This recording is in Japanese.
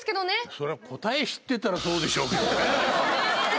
そりゃ答えを知ってたらそうでしょうけどね。